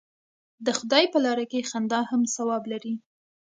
د خدای په لاره کې خندا هم ثواب لري.